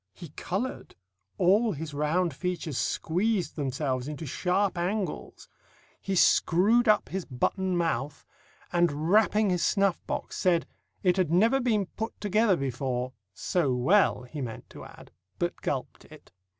He coloured; all his round features squeezed themselves into sharp angles; he screwed up his button mouth, and rapping his snuff box, said, "It had never been put together before" so well he meant to add but gulped it.